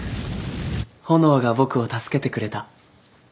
炎が僕を助けてくれた。